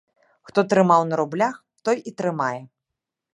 Хто трымаў на рублях, той і трымае.